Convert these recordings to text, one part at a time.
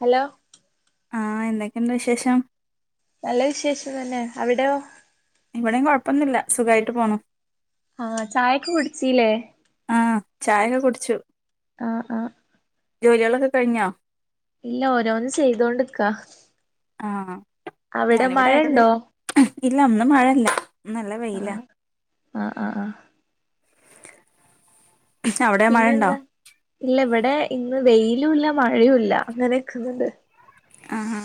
Hello? ആഹ് എന്തെക്കെണ്ട് വിശേഷം? നല്ല വിശേഷം തന്നെ അവിടെയോ? ഇവിടേം കൊഴപ്പൊന്നുല്ല സുഖയിട്ട് പോണൂ. ആഹ് ചായക്കെ കുടിച്ചീല്ലേ? ആ ചായൊക്കെ കുടിച്ചു. ആ ആഹ് ജോലിയേളൊക്കെ കഴിഞ്ഞോ? ഇല്ല ഓരോന്ന് ചെയ്തോണ്ട്ക്കാ. ആഹ്. അവിടെ ഞാനിവിടായ്രിന്നിൽ. മഴണ്ടോ ഇല്ലാ ഇന്ന് മഴല്ല. നല്ല വെയ്ലാ. ആ ആ ആഹ്. അവിടെ മഴയുണ്ടോ പിന്നെന്താ. ഇല്ല ഇവിടെ ഇന്ന് വെയിലൂല്ല മഴയൂല്ല അങ്ങനെക്കുന്നുണ്ട്. അഹാ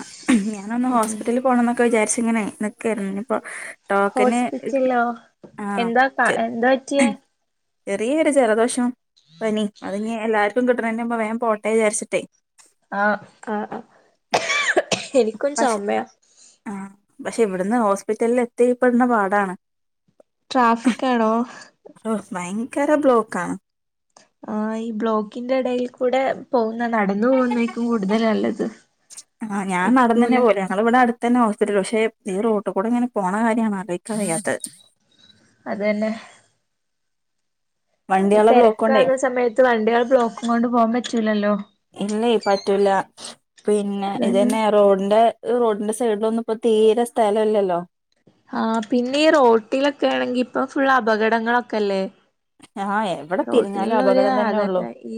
ഞാനൊന്ന് ഉം ഹോസ്പിറ്റല് പോണംന്നൊക്കെ വിചാരിച്ചിങ്ങനെ നിക്കായിരുന്നു. ഇനിപ്പോ ടോക്കന് ഇട് ഹോസ്പിറ്റലിലോ ആഹ് എന്താ കാ ച്ചെ എന്താ പറ്റിയേ ചെറീയൊരു ജലദോഷം പനി അതിഞ്ഞി എല്ലാ ർക്കും കിട്ട്ണീന്റെമുമ്പേ വേം പോട്ടെ വിചാരിച്ച്ട്ടേ ആഹ്, ആ ആ ഇൻക്കൊരു പക്ഷെ ചൊമയാ. ആഹ്, പക്ഷെ ഇവിട്ന്ന് ഹോസ്പിറ്റലിൽ എത്തിപ്പെട്ണ പാടാണ്. ട്രാഫിക്കാണോ? ഓഹ് ഭയങ്കരം ബ്ലോക്കാണ്. ആഹ് ഈ ബ്ലോക്കിന്റെ എടയിൽ കൂടെ പോകുന്നേ നടന്നു പോകുന്നേക്കും കൂടുതല് നല്ലത് എത്തൂല ഞങ്ങളവിടെ അടുത്തന്നെ ഹോസ്പിറ്റല്. പക്ഷേ ഈ റോട്ട് കൂടെ ഇങ്ങനെ പോണ കാര്യാണ് ആലോയ്ക്കാൻ വയ്യാത്തത്. അതെല്ലേ ഈ വണ്ടിയാളെ ബ്ലോക്കോണ്ടേ തെരക്കാവ്ന്ന സമയത്ത് വണ്ടിയേളെ ബ്ലോക്കും കൊണ്ട് പോകാൻ പറ്റൂലല്ലോ? ഇല്ലേയ് പറ്റൂല. പിന്നെ ഇത് അതന്നെ തന്നെ റോഡിന്റെ ഈ റോഡിന്റെ സൈഡിലൊന്നും ഇപ്പ തീരെ സ്ഥലം ഇല്ലല്ലോ? ആ പിന്നെ ഈ റോട്ടിലൊക്കെ ആണെങ്കി ഇപ്പൊ ഫുൾ അപകടങ്ങളൊക്കെല്ലേ? ആഹ് എവിടെ തിരിഞ്ഞാലും റോട്ടില്ള്ള ഒരു അപകടം തന്നെ ഉള്ളൂ ആതന്നെ ഈ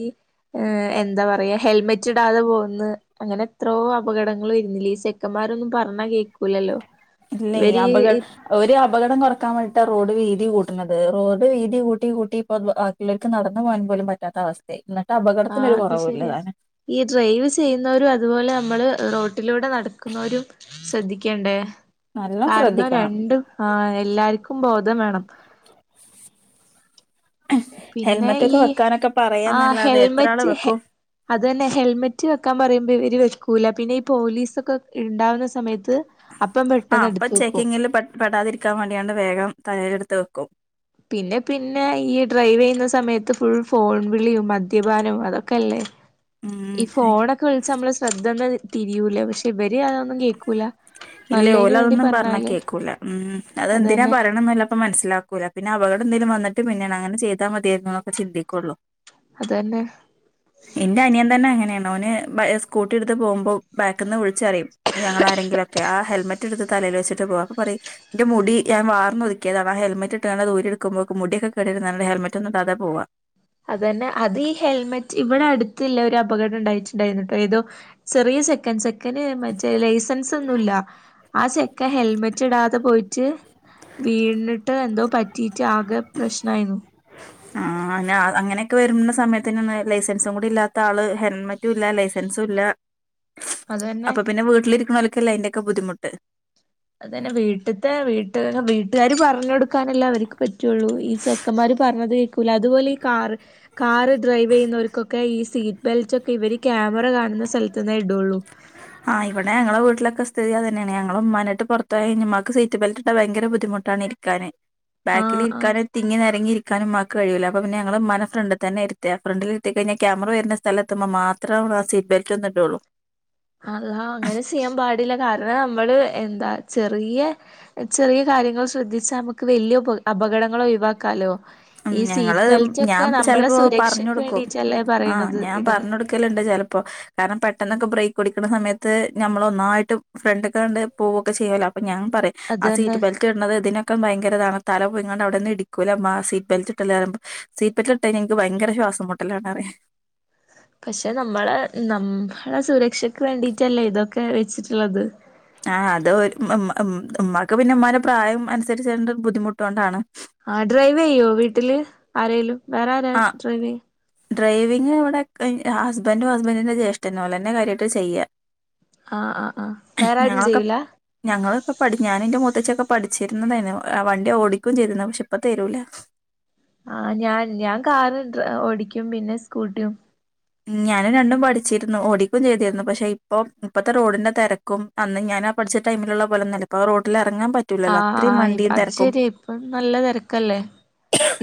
ഏഹ് എന്താ പറയാ ഹെൽമെറ്റ് ഇടാതെ പോകുന്ന് അങ്ങനെ എത്രോ അപകടങ്ങള് വരുന്നില്ലേ ഈ സെ ചെക്കമ്മാരൊന്നും പറഞ്ഞാ കേൾക്കൂലല്ലോ? ഇവര് ഈ ഓര് അപകടം കൊറക്കാൻ വേണ്ടിട്ടാ റോഡ് വീതി കൂട്ട്ണത്. റോഡ് വീതി കൂട്ടി കൂട്ടി ഇപ്പോ ആഹ് പിള്ളേർക്ക് നടന്നു പോകൻ പോലും പറ്റാത്ത അവസ്ഥയി. ഇന്നിട്ട് ആഹ് അപകടത്തിനൊരു അത് കൊറവൂല്ല ശരിയാ താനും. ഈ ഡ്രൈവ് ചെയ്യുന്നവരും അതുപോലെ നമ്മള് റോട്ടിലൂടെ നടക്കുന്നവരും ശ്രദ്ധിക്കേണ്ടേ? നല്ലോം കാര്ണം ശ്രദ്ധിക്കണം രണ്ടും ആഹ് എല്ലാര്ക്കും ബോധം വേണം. പിന്നെ ഹെൽമെറ്റ് ഒക്കെ ഈ വെക്കാനൊക്കെ ആഹ് പറയാന്നല്ലാതെ എത്ര ആള് ഹെൽമെറ്റ് ഹെ വെക്കും അതെന്നെ ഹെൽമെറ്റ് വെക്കാ പറയുമ്പൊ ഇവര് വെക്കൂല പിന്നെ ഈ പോലീസൊക്ക ഇണ്ടാവ്ന്ന സമയത്ത് അപ്പം പെട്ടന്ന് എടുത്ത് വെക്കും. പെടാതിരിക്കാ വാണ്ടിങ്ങാണ്ട് വേഗം തലേലെട്ത്ത് വെക്കും. പിന്നെ പിന്നെ ഈ ഡ്രൈവ്യ്യുന്ന സമയത്ത് ഫുൾ ഫോൺ വിളിയും മദ്യപാനവും അതൊക്കല്ലേ? ഉം ഈ ഹൈ. ഫോണൊക്ക വിളിച്ചാ നമ്മളെ ശ്രദ്ധന്നെ തിരിയൂല? പക്ഷെ ഇവര് അതൊന്നും കേക്കൂ ഇല്ലേ ഓല അതൊന്നും പറ്ഞ്ഞാ കേക്കൂല ഉം അതെന്തിന അതന്നെ പറയ്ണംന്ന്ല്ലപ്പം മൻസ്സിലാക്കൂല പിന്ന അപകട എന്തേലും വന്ന്ട്ട് പിന്നെ അങ്ങനെ ചെയ്താ മതിയെർന്നു ന്നൊക്ക ചിന്തിക്കൊള്ളു അതെന്നെ ഇന്റെ അനിയം തന്നെ അങ്ങനേണ് ഓന് ബ സ്കൂട്ടി ഇട്ത്ത് പോവുമ്പൊ ബാക്കിന്ന് വിളിച്ചറിയും ഞങ്ങളാരെങ്കിലൊ ക്കെ ആഹ് ഹെൽമറ്റ്ടുത്ത് തലേല് വച്ചിട്ട് പോവ അപ്പൊ പറയും ഇന്റ മുടി ഞാൻ വാർന്നൊതിക്ക്യേതാണ് ആഹ് ഹെൽമെറ്റ്ട്ടാണ് ഊരി ഇട്ക്കുമ്പോക് മുടിക്കെ കേടെരും ന്നർഞ്ട്ട് ഹെൽമെറ്റൊന്നും ഇടാതെ പോവ അതെന്നെ അത് ഈ ഹെൽമറ്റ് ഇവ്ടെ അടുത്തില്ല ഒരു അപകടം ഇണ്ടായ്റ്റ് ഇണ്ടായ്ന്ന്ട്ടൊ ഏതോ ചെറിയ ചെക്കൻസ ചെക്കന് മറ്റെ ലൈസൻസൊന്നുല്ല ആഹ് ചെക്ക ഹെൽമെറ്റ്ടാതെ പോയിട്ട് വീണിട്ട് എന്തോ പറ്റീറ്റ് ആകെ പ്രശ്നായിന്നു ആഹ് അ അങ്ങനെക്കെ വരുന്ന സമയത്തെന്നെ ലൈസൻസും കുടി ഇല്ലാത്ത ആള് ഹെൽമെറ്റു ഇല്ല ലൈസൻസൂല്ല അതന്നെ അപ്പൊ പിന്നെ വീട്ടിലിരിക്ക്ണോൽക്കല്ലെ അയിന്റെ ക്ക ബുദിമുട്ട് അതെന്നെ വീട്ട്ത്തെ വീട്ട് വീട്ടുകാര് പർഞ്ഞൊട്ക്കാനല്ലെ അവർക്ക് പറ്റൊള്ളു ഈ ചെ ക്കന്മാര് പറഞ്ഞത് കേൾക്കൂല അതുപോലെ ഈ കാറ് കാറ് ഡ്രൈവ് ചെയ്യുന്നവർക്കൊക്കെ ഈ സീറ്റ് ബെൽറ്റക്കെ ഇവര് ക്യാമറ കാണുന്ന സ്ഥലത് ന്നെ ഇടുള്ളൂ ആഹ് ഇവിടെ ഞങ്ങള വീട്ടിലൊക്കെ സ്ഥിതി അതെന്നെയാണ് ഞങ്ങള് ഉമാനയ്ട്ട പൊർത്തായിയ്ഞ്ഞമക്ക് സീറ്റ് ബെൽറ്റ്ട്ട ഭയങ്ക ബുദ്ധിമുട്ടാണ് ക്കാനെ ബാാക്കിലി ആഹ് ആഹ് ഇര്ക്കാനെ തിങ്ങിനേരങ്ങി ഇരിക്കാനും മ്മാക്ക് കഴൂല്ല അപ്പ പിന്ന ഞങ്ങള് മ്മാനെ ഫ്രണ്ട്തന്നെ ഇര്ത ഫ്രണ്ടില്ര്ത്തി കഴിഞ്ഞാ ക്യാമറ വര്ണ സ്ഥലത്തുമ്പ മാത്രേ ആഹ് സീറ്റ് ബെൽറ്റ് ഒന്ന് ഇടോള്ളൂ അല്ലാ അങ്ങനെ ചെയ്യാൻ പാടില്ല കാരണം നമ്മള് എന്താ ചെറിയ ചെറിയ കാര്യങ്ങൾ ശ്രദ്ധിച്ചാ നമുക്ക് വല്യ പ അപകടങ്ങളോ ഒഴിവാക്കാലോ ഉം ഈ ഞങ്ങള് സീറ്റ് ഞാൻ ബെൽറ്റക്കെ നമ്മള ചെലപ്പോ പറഞ്ഞ് സുരക്ഷയ്ക്ക് വേണ്ടീട്ടല്ലേ പറയണത് ഇടന്ന് ക്കല്ണ്ട് ചെലപ്പോ കാരണം പെട്ടെന്നൊക്കെ ബ്രേക്ക് ടിക്കുന്ന സമയത്ത് നമ്മള ഒന്നായിട്ടും ഫ്രണ്ട്ക്കെണ്ട് പോകുക്കെ ചെയ്യല്ലോ അപ്പ ഞാൻപറയും അത് ആഹ് തന്നെ സീറ്റ് ബെൽറ്റ് ഇട്ണത് ഇതിനൊക്കെ ഭയങ്കരതാണ് തല പോയിങാണ്ട് അവിടെന്ന് ഇടിക്കൂല മ്മാ സീ ബൽട്ടല്ലേ്പ സീറ്റി ബെലിട്ടയ്ഞ എനിക്ക് ഭയര ശ്വാസം മുട്ടല്ലാണറീ പക്ഷെ നമ്മളെ നമ്മള സുരക്ഷക്ക് വേണ്ടിട്ടല്ലേ ഇതൊക്കെ വെച്ചിട്ടുള്ളത് ആഹ് അത് ഉ ഉ ഉമ്മാക്ക് പിന്നെ ഉമ്മാടെ പ്രായം അനുസരിച്ച് ബുദ്ധിമുട്ടൊണ്ടാണ് ആഹ് ഡ്രൈവ് ചെയ്യോ വീട്ടില് ആരേലും വേറെ ആരാ ആഹ് ഡ്രൈവിംഗ് ഡ്രൈവിങ് ഇവിടെ ഹസ്ബൻഡും ഹസ്ബൻറിന്റെ ജ്യേഷ്ഠന്ന പോല്ലെന്നെ കാര്യയിട്ട് ചെയ്യാ ആഹ് ആഹ് ആഹ് വേറാരും ഞങ്ങളൊക്കെ ചെയ്യൂല ഞങ്ങളൊക്കെ പട് ഞാനും ന്റെ മൂത്തച്ചൊക്കെ പഠിച്ചിരുന്നതേനു വണ്ടി ഓടിക്കും ചെയ്തിര്ന്ന് പക്ഷെ ഇപ്പ തരൂല ആഹ് ഞാൻ ഞാൻ കാറ് ഓടിക്കും പിന്നെ സ്കൂട്ടിയും ഞാനും രണ്ടും പഠിച്ചിരുന്നു ഓടിക്കും ചെയ്തിരുന്നു പക്ഷെ ഇപ്പ ഇപ്പത്തെ റോഡിന്റെ തിരക്കും അന്ന് ഞാൻ പഠിച്ച ടൈമിലുള്ള പോലന്നല്ലപ്പൊ റോഡില ഇറങ്ങാൻ പ ആഹ് ആഹ് അത് ശെരിയാ ഇപ്പൊ നല്ല തിരക്കല്ലേ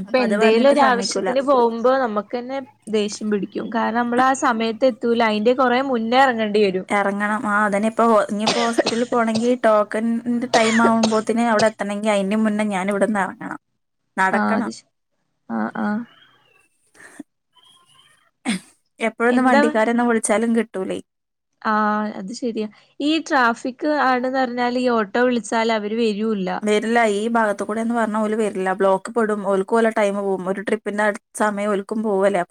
ഇപ്പ അപ്പൊ അത് എന്തേലും പറഞ്ഞിട്ട് ഒരു സമ്മതിക്കൂല ആവശ്യത്തിന് പോകുമ്പോ നമുക്ക്ന്നെ ദേഷ്യം പിടിക്കും കാരണം നമ്മൾ ആ സമയത്ത് എത്തൂല അതിന്റെ കൊറെ മുന്നേ ഇറങ്ങേണ്ടി വരും ഇറങ്ങണം ആഹ് അതന്നെ ഇപ്പോ ഇനിപ്പോ ഹോസ്പിറ്റലിൽ പോണെങ്കിൽ ടോക്കണൻന്റെ ടൈം ആവുമ്പോത്തേന് അവിടെ ത്തണമെങ്കി അയ്ന്റെ മുന്നെ ഞാന് ഇവിടന്ന് ഏർങ്ങണം ആഹ് അത് ഷ് ആഹ് ആഹ് എപ്പോഴൊന്ന് എന്താ വണ്ടിക്കാരന്ന വിളിച്ചാലും കിട്ടൂലേ ആഹ് അത് ശരിയാ ഈ ട്രാഫിക് ആണ്ന്ന് പറഞ്ഞാൽ ഈ ഓട്ടോ വിളിച്ചാൽ അവര് വരൂല്ല വരില്ല ഈ ഭാഗത് കൂടെ ന്ന് പറഞ്ഞാൽഓല് വരില്ല ബ്ലോക്ക് പടും ഓൽക്ക് ഓലെ ടൈം പോവും ഒരു ട്രിപ്പിന്റെട് സമയം ഓൽക്കും പോവല്ലേ അ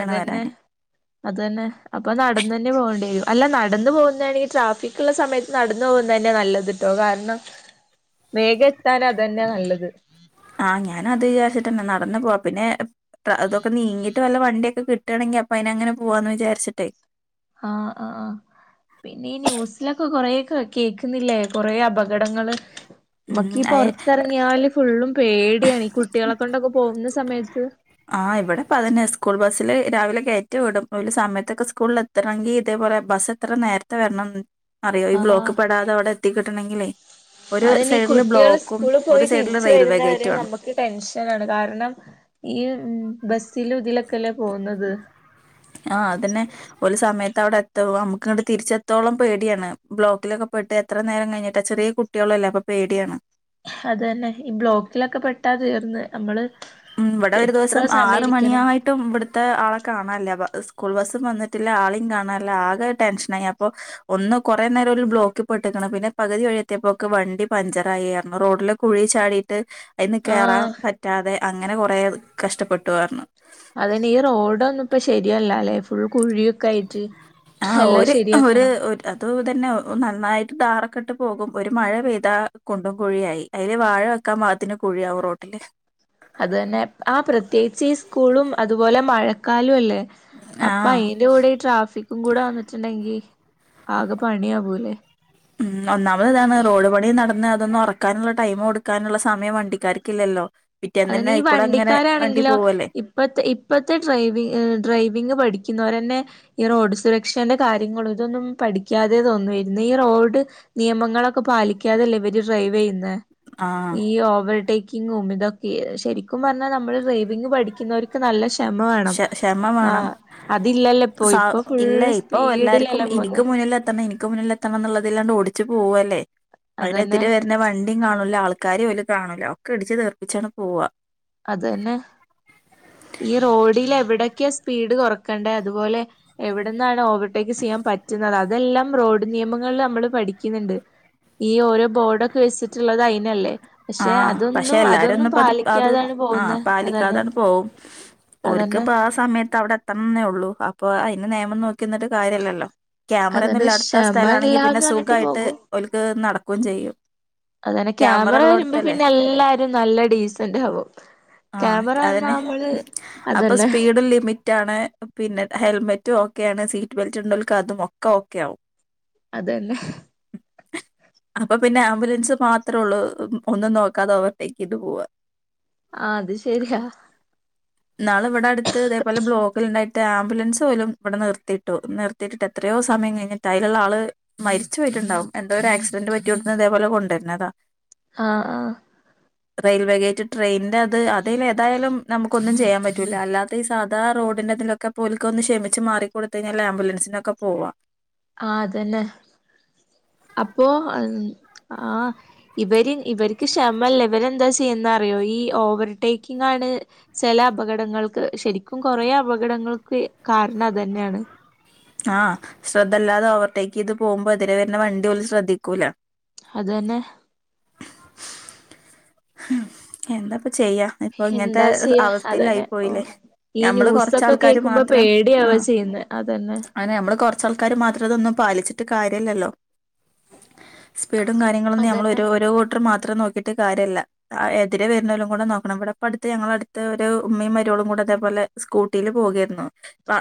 അതന്നെ [inaudible] അതന്നെ അപ്പൊ നടന്നന്നെ പോകേണ്ടി വരും അല്ല നടന്ന് പോകുന്നതാണെങ്കിൽ ട്രാഫിക്കൊള്ള സമയ ലടന്ന് പോകുന്നന്നെ നല്ലതൂട്ടോ കാരണം വേഗ എത്താൻ അതന്നെ നല്ലത് ആഹ് ഞാനത് വിചാരിച്ചിട്ടന്നെ നടന്നു പോവാ പിന്നെ അതൊക്കെ നീങ്ങി ട്ട് വല്ല വണ്ടിയൊക്കെ കിട്ടാണെങ്കി അപ്പൊ അയ്നങ്ങനെ പോവാന്ന് വിചാരിച്ചിട്ടേ ആഹ് ആഹ് ആഹ് പിന്നെ ഈ ന്യൂസിലൊക്കെ കൊറെക്കെ കേക്കുന്നില്ലേ കൊറേ അപകടങ്ങള് ഉം നമ്മക്കീ അയ് പൊറത്തിറങ്ങിയാല് ഫുള്ളും പേടിയാണ് ഈ കുട്ടികളെ കൊണ്ടൊക്കെ പോവുന്ന സമയത്ത് ആഹ് ഇവടെപ്പ അതന്നെ സ്കൂൾ ബസ്സില് രാവിലെ കേറ്റി വിടും ഓലു സമയത്തൊക്കെ സ്കൂളിലെ തെണങ്കി ഇതേപോലെ ബസ് എത്ര നേരത്തെ വരണം അറിയോ ഈ ബ്ലോക്കി പെടാതെ അവടെ എത്തി കിട്ടണെങ്കിലേ അതിനി കുട്ടികൾ സ്കൂളി ഒരു പോയ് സൈഡില് തിരിച്ചു റെയിൽവേ വരുന്നവരെ ഗേറ്റും ആണ് നമ്മ- ക്ക് ടെൻഷനാണ് കാരണം ഈ ഉ ബസിലും ഇതിലൊക്കെല്ലേ പോകുന്നത് ആഹ് അതന്നെ ഒലു സമയത്ത് അവടെ എത്തോ അമക്കങ്ങിട്ട് തിരിച്ചെത്തോളം പേടിയാണ് ബ്ലോക്കിലൊക്കെ പെട്ട് എത്ര നേരം കഴിഞ്ഞിട്ടാ ചെറിയ കു- കുട്ടിയോള്ളല്ല അപ്പോ പേടിയാണ് അത് അന്നെ ഈ ബ്ലോക്കിലൊക്കെ പെട്ടാ തീർന്ന് നമ്മള് ഉം ഇവടെ ഒരു എത്ര ദിവസം സമയം ആറ് ഇരിക്കണം മണിയായ്- ട്ടും ഇവിടുത്തെ ആളെ കാണാനില്ല പ സ്കൂൾ ബസ്സും വന്നിട്ടില്ല ആളെയും കാണാനില്ല ആകെ ടെൻഷനായി അപ്പോ ഒന്ന് കൊറെ നേരം ബ്ലോക്കിൽ പെട്ടിക്കണ് പിന്നെ പകുതി വഴിയെത്തിപ്പോക്ക് വണ്ടി പഞ്ചറായി റന്നു റോഡില് കുഴി ചാടിട്ട് അയ്ന്ന് കേറാൻ ആഹ് പറ്റാതെ അങ്ങനെ കുറേ കഷ്ടപ്പെട്ടു പറഞ്ഞു അതെന്നെ ഈ റോഡൊന്നും ഇപ്പ ശെരിയല്ലാല്ലേ ഫുൾ കുഴി- യൊക്കായിട്ട് എല്ലാം ശെരിയാക്കണം അതു ഇതന്നെ നന്നായിട്ട് ഡാറൊക്കിട്ട് പോകും ഒരു മഴ പെയ്താ കൊണ്ടും കുഴിയായ് അയില് വാഴ വെക്കാൻ പാകത്തിന് കുഴിയാവും റോട്ടില്ല് അത് തന്നെ ആഹ പ്രത്യേകിച്ച് ഈ സ്കൂളും അതുപോലെ മഴക്കാലം അല്ലേ അപ്പ ആഹ് അതിന്റെ കൂടെ ട്രാഫിക്കും കൂടെ വന്നിട്ടുണ്ടെങ്കി ആകെ പണിയാവൂലെ ഉം ഒന്നാമതിതാണ് റോഡ് പണിയൊന്നും നട- ന്നതൊന്നു ഒറക്കാനുള്ള ടൈമ് കൊടുക്കാനുള്ള സമയം വണ്ടിക്കാർക്കില്ലല്ലോ പിറ്റേന്ന് തന്നെ അയിക്കൂടെ അങ്ങനെ വണ്ടി പോവല്ലേ ഇപ്പോത്തെ ഇപ്പത്തെ ഡ്രൈവി ഡ്രൈവിംഗ് പഠിക്കുന്നോരന്നെ ഈ റോഡ് സുരക്ഷേന്റെ കാര്യങ്ങൾ ഇതൊന്നും പഠിക്കാതെ തോന്ന് വെരുന്നേ ഈ റോഡ് നിയമങ്ങളൊക്കെ പാലിക്കാതല്ലേ ഇവര് ഡ്രൈവെയ്യുന്നേ ആഹ് ഈ ഓവൽടേക്കിങ്ങും ഇതൊക്കെയേ ശെരിക്കും പറഞ്ഞാ നമ്മള് ഡ്രൈവിംഗ് പഠിക്കുന്നോര്- ന്നല്ല ക്ഷെമ ക്ഷ വേണം ക്ഷമ വേണം ആഹാ അതില്ലല്ലോയിപ്പോ സ ഇപ്പോ ഇല്ല ഫുള്ള്- ഇപ്പൊ എല്ലാർക്കും സ്പീഡിലല്ലേ ഇനിക്ക് പോന്നെ മുന്നിലെത്തണം എനി- ക്ക് മുന്നിലെത്തണം എന്നുള്ളതില്ലാണ്ട് ഓടിച്ചു പോവുവല്ലേ അതന്നെ അയിനെതിരെ വെരുന്ന വ- ണ്ടി കാണൂല ആൾക്കാരെയോലും കാണൂല്ല ഒക്കെ ഇടിച്ച് തെർപ്പിച്ചാണ് പോവാ അത് അന്നെ ഈ റോഡിലെവടൊക്കെയാ സ്പീഡ് കൊറക്കണ്ടേ അതുപോലെ എവടന്നാണ് ഓവർടേക്ക് ചെയ്യാൻ പറ്റുന്നത് അതെല്ലാം റോഡ് നിയമങ്ങളില് നമ്മള് പഠിക്കുന്നുണ്ട് ഈ ഓരോ ബോർഡൊക്കെ വെച്ചിട്ടൊള്ളത് അയിനല്ലേ പക്ഷെ ആഹ പക്ഷെ അതൊന്നും എല്ലാരും അതൊന്നും ഒന്നും ഇപ്പോ അത് അത് പാലിക്കാതാണ് ആഹ പോകുന്നെ അതന്നെ പാലിക്കാതാണ് പോവും അതന്നെ ഒർക്കിപ്പ ആഹ സമയത്ത് അവടെ എത്തണംന്നേ ഒള്ളൂ അപ്പൊ അയിന് നെയമം നോക്കിനിന്നിട്ട് കാര്യല്ലല്ലോ ക്യാമറൊന്നും അതന്നെ ഇല്ലാടുത്ത ക്ഷമ സ്ഥലം ആണെങ്കി പിന്നെ ഇല്ലാന്ന് പറഞ്ഞിട്ട് സുഖായിട്ട് പോകും ഓല്ക്ക് നടക്കുവേമ് ചെയ്യും അതന്നെ ക്യാമറ വരുമ്പോ പിന്നെ എല്ലാരും നല്ല ഡീസന്റ് ആവും ആഹ് ക്യാമറ വന്നാ അതന്നെ അമ്മള് അപ്പൊ അതന്നെ സ്പീഡും ലിമിറ്റാണ് പിന്നെ ഹെൽമെറ്റു ഓക്കെയാണ് സീറ്റ് ബെൽറ്റ് ഉണ്ടോൽക്കതും ഒക്കെയാവും [inaudible] അതന്നെ അപ്പൊ പിന്നെ ആംബുലൻസ് മാത്രേ ഉള്ളൂ ഒന്നും നോക്കാതെ അവർത്തേക്ക് ഇ് പോവാൻ ആഹ് അത് ശെരിയാ നാള ഇവിടെ അടുത്ത് ഇതേപോലെ ബ്ലോക്കിൽ ഉണ്ടായിട്ട് ആംബുലൻസ് പോലും ഇവിടെ നിർത്തിയിട്ടു നിർ എത്തിട്ടിട്ട് എത്രയോ സമയം കഴിഞ്ഞ അതിലുള്ള ആള് മരിച്ച പോയിട്ടുണ്ടാവും എന്ത ഒരു ആക്സിഡന്റ് പറ്റിവിടുുന്ന ഇതേപോലെ കൊണ്ടുവരുന്നതാ ആഹ റെയിൽവേഗേറ്റ് ട്രെയിനിന്റെ അത് അതിൽ ഏതായാലും നമുക്ക് ഒന്നും ചെയ്യാൻ പറ്റില്ല അല്ലാത്ത ഈ സാധാ റോഡിലൊക്കെ ഒന്ന് ക്ഷമിച്ച് മാറി കൊടു കഴിഞ്ഞാൽ ആംബുലൻസി ഒക്കെ പോവും ആ അതന്നെ അപ്പൊ ഇവർക്ക് ക്ഷമല്ല ഇവരെ എന്താ ചെയ്യുന്ന അറിയോ ഈ ഓവർടേക്കിംഗണ് ചില അപകടങ്ങൾക്ക് ശരിക്കും കൊറെ അപകടങ്ങൾക്ക് കാരണം അത് തന്നെയാണ്. ആഹ് ശ്രദ്ധല്ലാതെ ഓവർടേക്ക് ചെയ്ത് പോുമ്പോ അതിനരെ വരുന്ന വണ്ടി പോലും ശ്രദ്ധിക്കൂല അതന്നെ എന്താപ്പ ചെയ്യാം ഇപ്പൊ ഇങ്ങനത്തെ എന്താ ചെയ്യാ അവസ്ഥയിലായി അതന്നെ ഓ പോയില്ലേ ഈ നമ്മള് ന്യൂസൊക്കെ കൊറച്ചാൾക്കാര് കേക്കുമ്പോ മാത്രം ആ പേടിയാവാ ചെയ്യുന്നെ അതന്നെ അങ്ങനെ നമ്മള് കൊറ കുറച്ച ആൾക്കാര്ർ മാത്രം അതൊന്നും പാലിച്ചിട്ട് കാരിയല്ലിയല്ലോ സ്പീഡും കാര്യങ്ങളൊന്നും നമ്മൾ അതന്നെ ഓരോർത്തർ മാത്രം നോക്കിയിട്ട് കാര്യമല്ല എതിരെ വരുന്നലും കൂടെ നോക്കണം ഇവിടെപ്പപ്പോ അടുത്ത് ഞങ്ങള അടുത്ത് ഒരു ഉമ്മയും മരോളും കൂടെ അതേപോലെ സ്കൂട്ടിൽ പോകായിരുന്ന്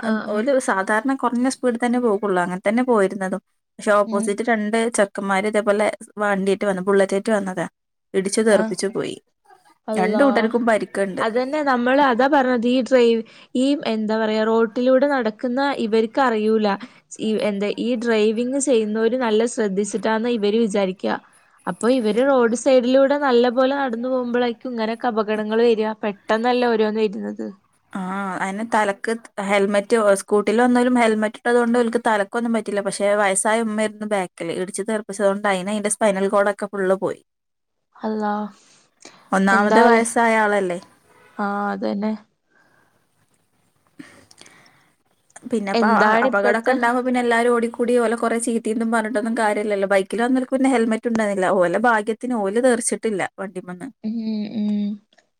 ആ ആ ഒരു സാധാരണ കുറഞ്ഞ സ്പീഡ് തന്നെ പോകുള്ളൂ അങ്ങനെ തന്നെ പോയിരുന്നതും പക്ഷെ ഉം ഓപ്പോസിറ്റ് രണ്ട് ചക്കന്മാര് ഇതേപോലെ വണ്ടിയിട്ട് വന്ന ബുള്ളറ്റായിട്ട് വന്നതാ ഇടിച്ചു ആ തെറുപ്പിച്ചു പോയി രണ്ട് കൂട്ടർക്കും പരിക്കുണ്ട്. പിന്നെ നമ്മള് അതാ പറഞ്ഞത് ഈ ഡ്രൈവിങ് ഈ എന്താ പറയാ റോട്ടിലൂടെ നടക്കുന്ന ഇവർക്ക് അറിയൂല ഈ എന്താ ഈ ഡ്രൈവിങ് ചെയ്യുന്നവര് നല്ല ശ്രദ്ധിച്ചിട്ടാന്ന് ഇവര് വിചാരിക്കുക അപ്പൊ ഇവര് റോഡ് സൈഡിലൂടെ നല്ലപോലെ നടന്നു പോകുമ്പോഴായിരിക്കും ഇങ്ങനെയൊക്കെ അപകടങ്ങൾ വരിക പെട്ടെന്നല്ല ഓരോന്ന് വരുന്നത് ആ അയിന് തലക്ക് ഹെൽമെറ്റ് സ്കൂട്ടിൽ എന്തായലും ഹെൽമെറ്റ് ഇട്ടത് കൊണ്ട്ക്ക തല [unintelligible] മരുമകൾക്കൊന്നും പറ്റില്ല. പക്ഷെ വയസ്സായ ഉമ്മരുന്നു ബാക്കിൽ ഇടിച്ച് തീർപ്പിച്ചത് കൊണ്ട് അയിന് അതിന്റെ സ്പൈനൽ കോഡൊക്കെ ഫുള് പോയി അള്ളാ ഒന്നാമത് വയസ്സായളല്ലേ ആഹ അതന്നെ പിന്നെപ്പോ എന്താണ് അപകടക്കെ ഇപ്പത്തെ ഉണ്ടാവോ പിന്നെ എല്ലാരും ഓടി കൂടി പോലെ കുറേ ചീതേനും പറഞ്ഞിട്ടന്നും കാര്യല്ല ബൈക്കിൽ വന്നന്നഹെൽമെ ഉണ്ടന്നില്ലഓലെ ഭാ [unintelligible] ഓല് തീർച്ചിട്ടില്ല വണ്ടി മന്ന് [unintelligible] ഉം ഉം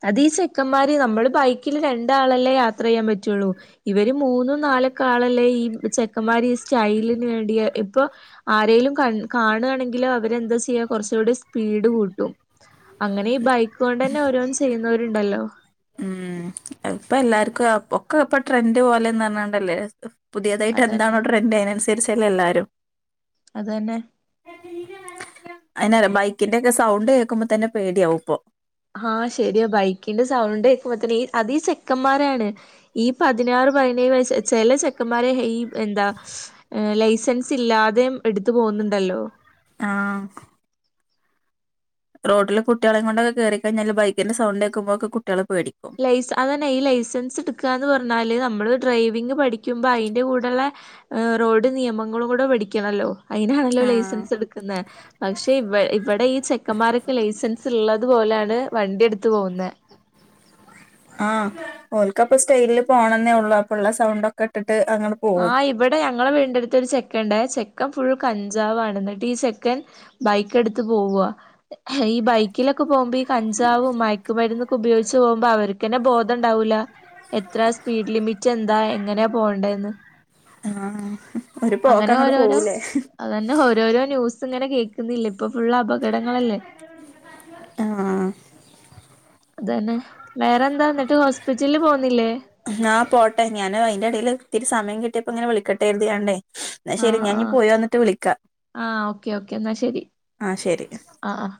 അതീ ചെക്കന്മാര് നമ്മള് ബൈക്കില് രണ്ടാളെല്ലേ യാത്ര ചെയ്യാൻ പറ്റുള്ളൂ ഇവര് മൂന്നും നാലൊക്കാളല്ലേ ഈ ചെക്കന്മാരി സ്റ്റൈലിന് വേണ്ടിയ ഇപ്പൊ ആരേലും കാണയാണെങ്കിലിൽ അവരെന്താ ചെയ്യാ കുറച്ചുകൂടി സ്പീഡ് കൂട്ടും അങ്ങനെ ഈ ബൈക്ക് കൊണ്ടന്നെ ഓരോന്നും ചെയ്യുന്നവരുണ്ടല്ലോ. ഇപ്പ എല്ലാർക്കും ഒക്കെ ഇപ്പൊ ട്രെൻഡ് പോലെന്ന് പറഞ്ഞണ്ടല്ലേ പുതിയതായിട്ട് അതന്നെ എന്താണോ ട്രെൻറ് അതിനനുസരിച്ചല്ല എല്ലാരും അതന്നെ അ ബൈക്കിന്റെ ഒക്കെ സൗണ്ട് കേൾക്കുമ്പോ തന്നെ പേടിയാവും ആഹ് ശരിയയാ ബൈക്കിന്റെ സൗണ്ടക്കുമ്പോത്തന്നെ അതീ ചെക്കന്മാരാണ് ഈ പതിനാറ് പതിനേഴ് വയ്‌സിലെ ചില ചെക്കന്മാരെ എന്താ ലൈസൻസ് ഇല്ലാതെയും എടുത്തു പോകുന്നുണ്ടല്ലോ ആഹ റോഡില് കുട്ടികളെ കൊണ്ടൊക്കെ കേറി കൈയിഞ്ഞാല് ബൈക്കിന്റെ സൗണ്ടക്കുമ്പോക്കെ കുട്ട്യള് പേടിക്കും. ലൈസ്ൻസ് അതന്നെ ഈ ലൈസൻസ് എടുക്കാന്ന് പറഞ്ഞാല് നമ്മള് ഡ്രൈവിംഗ് പഠിക്കുമ്പോ അതിന്റെ കൂടെള്ള റോഡ് നിയമങ്ങളും കൂടെ പഠിക്കണല്ലോ അതിനാണല്ലോ ആഹ് ലൈസൻസ് എടുക്കുന്നെ പക്ഷെ ഇ ഇവിടെ ഈ ചെക്കന്മാരൊക്കെ ലൈസൻസ് ഉള്ളത് പോലെയാണ് വണ്ടി എടുത്ത പോവുന്നെ ആഹ് ഓൽകപ്പൊ സ്റ്റൈലില് പോകണെന്നേ ഉള്ളൂ അപ്പ ഉള്ള സൗണ്ട് ഒക്കെ ഇട്ടിട്ട് അങ്ങട് പോവും ആഹ് ഇവിടെ ഞങ്ങളെ വീട്ന്റെഅടുത്ത് ഒരു ചെക്കൻണ്ട് ചെക്കൻ ഫുള്ള് കഞ്ചാവ് ആണ് എന്നിട്ട് ഈ ചെക്കൻ. ബൈക്ക്‌ എടുത്ത് പോവുവാ ഈ ബൈക്കിലൊക്കെ പോകുമ്പോ ഈ കഞ്ചാവും മയക്കുമരുന്നൊക്കെ ഉപയോഗിച്ച് പോകുമ്പോൾ അവർക്ക് ക്ക്‌ന്നെ ബോധം ഉണ്ടാവൂല എത്ര സ്പീഡ് ലിമിറ്റ് എന്താ എങ്ങനെയാ പോകണ്ടെന്ന്. ആഹ് ഒരു അങ്ങനെ പോക്കങ്ങട് ഓരോരോ പോവൂലേ അതന്നെ ഓരോരോ ന്യൂസ് ഇങ്ങനെ കേൾക്കുന്നില്ല ഇപ്പൊ ഫുൾ അപകടങ്ങളല്ലേ. ആഹ് അതന്നെ വേറെന്താ എന്നിട്ട് ഹോസ്പിറ്റലില് പോന്നില്ലേ? ആ പോട്ടെ ഞാന് അയിന്റെ എടയിൽ ഇത്തിരി സയമം കിട്ടിയപ്പോ ഇങ്ങനെ വിളിക്കട്ട കരുതിയണ്ടേ എന്ന ശെരി ആഹ് ഞാന് ഇനി ആഹ് പോയി വന്നിട്ട് വിളിക്കാം ആഹ് ഓക്കെ ഓക്കെ എന്നാ ശരി ആഹ് ശരി. ആഹ്